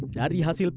dari hasil penilai